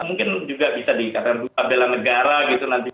mungkin juga bisa dikatakan bela negara gitu nanti